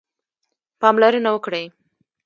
پاملرنه وکړئ